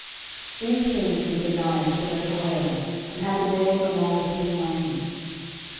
13:011:024 These things did Benaiah the son of Jehoiada, and had the name among the three mighties.